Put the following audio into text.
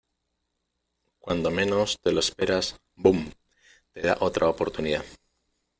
cuando menos te lo esperas, boom , te da otra oportunidad.